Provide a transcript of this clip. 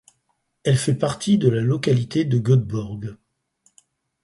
Elle fait partie de la localité de Göteborg.